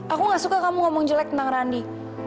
aku gak suka kamu ngomong jelek tentang randi